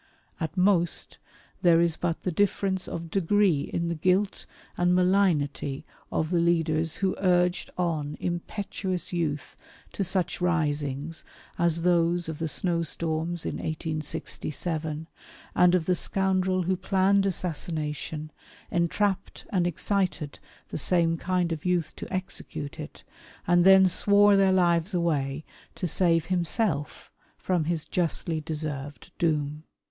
At most there is but the difference of degree in the guilt and malignity of the leaders who urged on impetuous youth to such risings as those of the snowstorms in 1867, and of the scoundrel who planned assassination, entrapped and excited the same kind of youth to execute it, and then swore their lives away to save himself from his justly deserved doom.